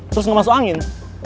terus gak masuk angin